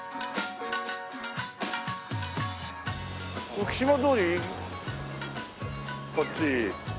浮島通り？こっち。